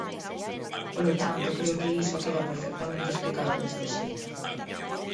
Polo tanto, creo que iso queda perfectamente explicado dese xeito.